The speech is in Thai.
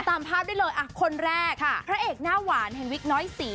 ตามภาพได้เลยอ่ะคนแรกพระเอกหน้าหวานเห็นวิกน้อยสี